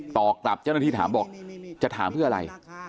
ต่อกลับเจ้าหน้าที่ถามบอกจะถามเพื่ออะไร